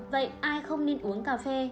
vậy ai không nên uống cà phê